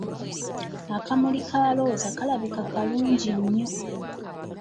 Akamuli ka Looza kalabika bulungi nnyo!